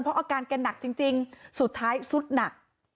เพราะอาการแกหนักจริงสุดท้ายสุดหนัก